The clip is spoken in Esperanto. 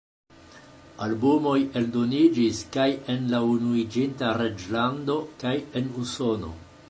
Albumoj eldoniĝis kaj en la Unuiĝinta Reĝlando kaj en Usono.